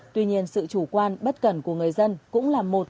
tuy nhiên sự chủ quan bất cẩn của người dân cũng là một